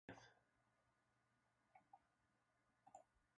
Forman parte de las finanzas-economías solidarias.